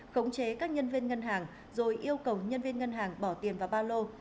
khống chế các nhân viên ngân hàng rồi yêu cầu nhân viên ngân hàng bỏ tiền vào ba lô